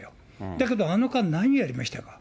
だけどあの間、何をやりましたか。